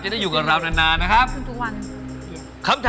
จะได้อยู่กับเรานานนะครับ